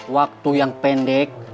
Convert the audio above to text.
waktu yang pendek